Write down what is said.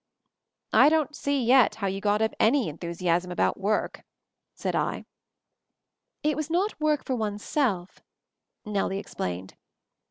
"I don't see yet how you got up any en thusiasm about work," said I. "It was not work for oneself," Nellie ex plained.